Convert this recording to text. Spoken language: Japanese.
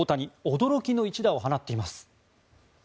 驚きの一打を放っています。